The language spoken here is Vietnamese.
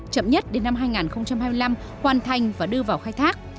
chậm nhất đến năm hai nghìn hai mươi năm hoàn thành và đưa vào khai thác